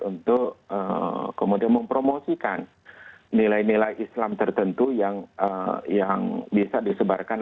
untuk kemudian mempromosikan nilai nilai islam tertentu yang bisa disebarkan